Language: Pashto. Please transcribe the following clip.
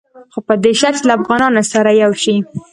خو په دې شرط چې له افغانانو سره یو شي.